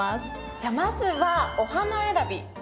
じゃあまずはお花選びですね。